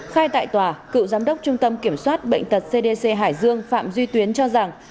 khai tại tòa cựu giám đốc trung tâm kiểm soát bệnh tật cdc hải dương phạm duy tuyến cho rằng